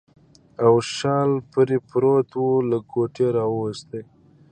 او شال پرې پروت و، له کوټې راوایسته.